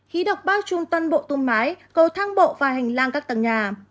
khí độc bao trung toàn bộ tung mái cầu thang bộ và hành lang các tầng nhà